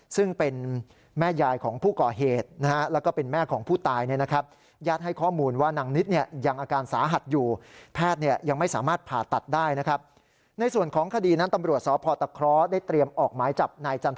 ซึ่งเป็นแม่ยายของผู้ก่อเหตุนะฮะแล้วก็เป็นแม่ของผู้ตายเนี่ยนะครับ